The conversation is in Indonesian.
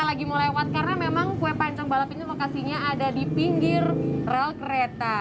saya lagi mau lewat karena memang kue pancong balap ini lokasinya ada di pinggir rel kereta